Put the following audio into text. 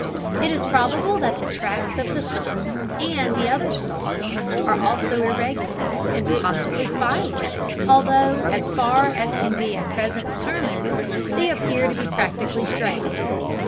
It is probable that the tracks of the sun and the others stars are also irregular, and possibly spiral, although, as far as can be at present determined, they appear to be practically straight.